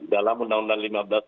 dalam undang undang lima belas